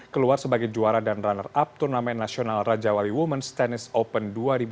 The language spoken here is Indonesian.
keluar sebagai juara dan runner up turnamen nasional raja wali women tennis open dua ribu dua puluh